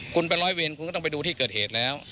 คุณเป็นร้อยเวรคุณก็ต้องไปดูที่เกิดเหตุแล้ว